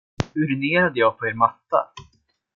Urinerade jag på er matta?